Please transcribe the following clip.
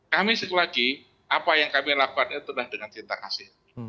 kami sekali lagi apa yang kami lakukan itulah dengan cinta kasih